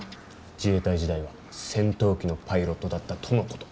自衛隊時代は戦闘機のパイロットだったとのこと。